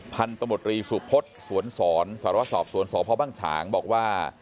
พันธมตรีสุพศสวนสอนสารวสอบสวนสพบังฉางบอกว่า